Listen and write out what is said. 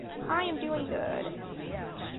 I am doing good.